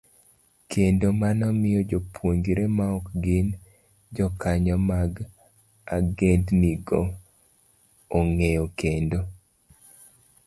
kendo mano miyo jopuonjre maok gin jokanyo mag ogendnigo ong'eyo kendo